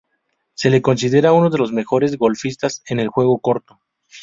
Se le considera uno de los mejores golfistas en el juego corto.